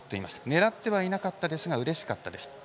狙ってはいなかったですがうれしかったですと。